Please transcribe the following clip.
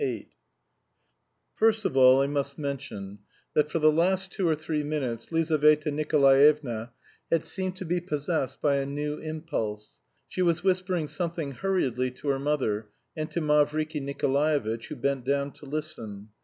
VIII First of all I must mention that, for the last two or three minutes Lizaveta Nikolaevna had seemed to be possessed by a new impulse; she was whispering something hurriedly to her mother, and to Mavriky Nikolaevitch, who bent down to listen.